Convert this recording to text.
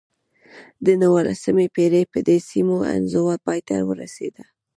د نولسمې پېړۍ په دې سیمو انزوا پای ته ورسېده.